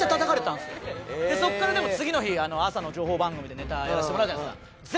でそこからでも次の日朝の情報番組でネタやらせてもらうじゃないですか。